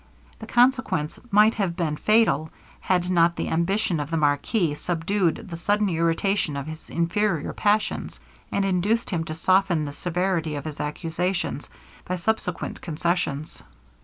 The consequence might have been fatal, had not the ambition of the marquis subdued the sudden irritation of his inferior passions, and induced him to soften the severity of his accusations, by subsequent concessions.